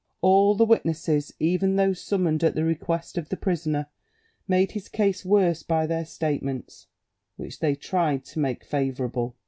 All the witnesses, even those summoned at the request of the prisoner, made his case worse by their statements, which they tried to make favourable.